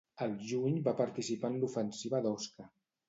Al juny va participar en l'Ofensiva d'Osca.